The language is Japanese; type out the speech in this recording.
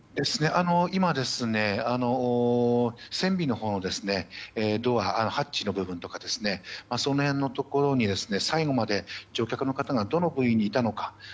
今、船尾のほうのドアハッチの部分とかその辺のところに最後まで乗客の方がどの部位にいたのか。